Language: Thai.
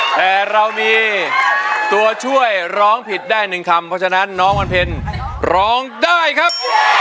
แต่เรามีตัวช่วยร้องผิดได้หนึ่งคำเพราะฉะนั้นน้องวันเพ็ญร้องได้ครับ